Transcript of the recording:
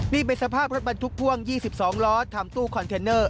นี่เป็นสภาพรถบรรทุกพ่วง๒๒ล้อทำตู้คอนเทนเนอร์